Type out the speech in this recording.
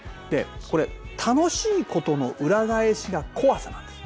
これ楽しいことの裏返しが怖さなんです。